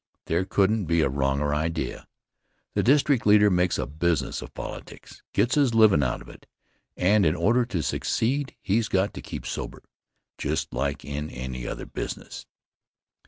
There couldn't be a wronger idea. The district leader makes a business of politics, gets his livin' out of it, and, in order to succeed, he's got to keep sober just like in any other business.